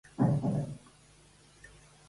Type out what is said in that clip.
Amb qui va enllaçar-se aquest rei?